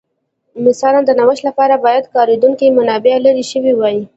مثلاً د نوښت لپاره باید کارېدونکې منابع لرې شوې وای